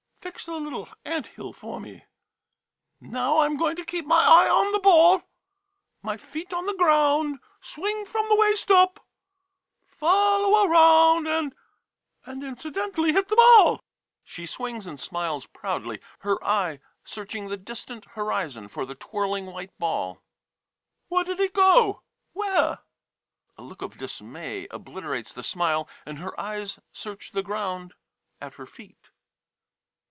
Fix the little ant hill for me. Now, I 'm to keep my eye on the ball, my feet on the ground, swing from the waist up, follow around, and — and incidentally hit the ball. [She swings and smiles proudly, her eye searching the distant horizon for the twirling white ball.] Where did it go ? Where ? [A look of dismay obliterates the smile, and her eyes search the ground at her feet.